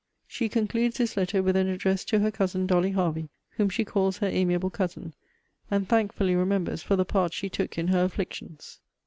She concludes this letter with an address to her cousin Dolly Hervey, whom she calls her amiable cousin; and thankfully remembers for the part she took in her afflictions.